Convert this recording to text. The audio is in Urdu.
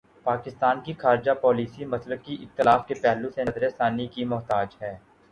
پاکستان کی خارجہ پالیسی مسلکی اختلاف کے پہلو سے نظر ثانی کی محتاج ہے۔